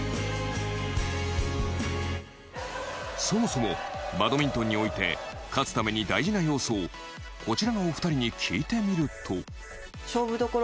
そもそも、バドミントンにおいて勝つために大事な要素をこちらのお二人に聞いてみると。